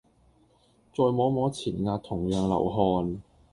再摸摸前額同樣流汗